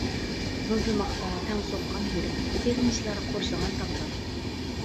مۇزلىماقتا تەڭ سوققان يۈرەك، سېغىنىشلار قورشىغان تاغدا.